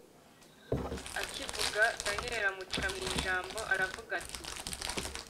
akivuga, daniel amuca mwijambo aravuga ati: